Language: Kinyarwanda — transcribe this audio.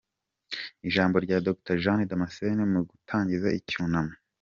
Ijambo rya Dr Jean Damascene mu gutangiza icyunamo